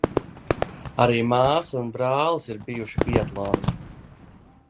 Arī māsa un brālis ir bijuši biatlonisti.